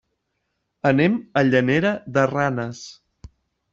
Anem a Llanera de Ranes.